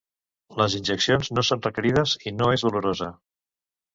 Les injeccions no són requerides i no és dolorosa.